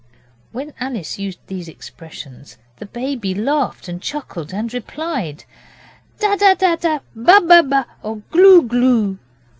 When Alice used these expressions the Baby laughed and chuckled and replied 'Daddadda', 'Bababa', or 'Glueglue'.